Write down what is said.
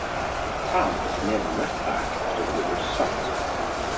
The town is near the left bank of the river Sot.